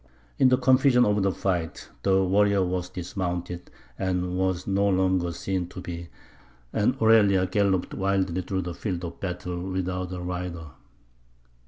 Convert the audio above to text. In the confusion of the fight, the warrior was dismounted, and was no longer seen to be, and Orelia galloped wildly through the field of battle without a rider."